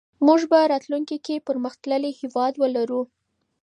موږ به راتلونکي کې پرمختللی هېواد ولرو.